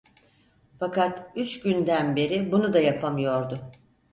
Fakat üç günden beri bunu da yapamıyordu.